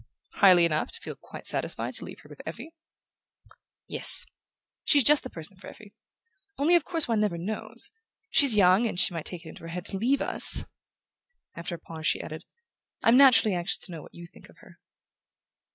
"Highly enough to feel quite satisfied to leave her with Effie?" "Yes. She's just the person for Effie. Only, of course, one never knows...She's young, and she might take it into her head to leave us..." After a pause she added: "I'm naturally anxious to know what you think of her."